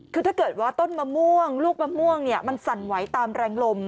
คือถ้าเกิดว่าต้นมะม่วงลูกมะม่วงเนี่ยมันสั่นไหวตามแรงลม